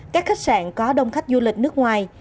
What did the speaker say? các khách sạn có đông khách du lịch nước ngoài